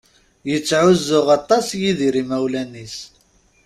Yettεuzzu aṭas Yidir imawlan-is.